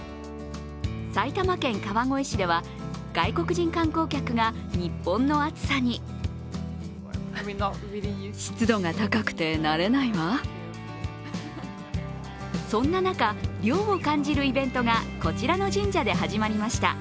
埼玉県川越市では外国人観光客が日本の暑さにそんな中、涼を感じるイベントがこちらの神社で始まりました。